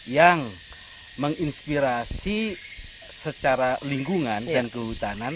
yang menginspirasi secara lingkungan dan kehutanan